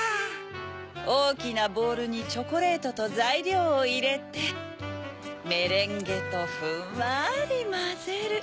おおきなボウルにチョコレートとざいりょうをいれてメレンゲとふんわりまぜる。